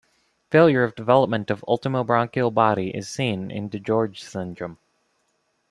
Failure of development of ultimobranchial body is seen in DiGeorge syndrome.